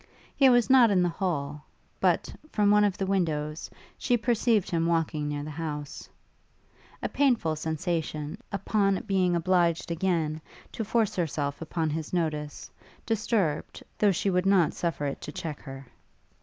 He was not in the hall; but, from one of the windows, she perceived him walking near the house. A painful sensation, upon being obliged again, to force herself upon his notice, disturbed, though she would not suffer it to check her.